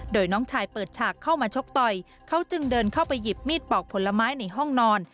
โดยน้องชายเปิดฉากเข้ามาชกต่อยเขาจึงเดินเข้าไปหยิบมีดปอกผลไม้ในห้องนอน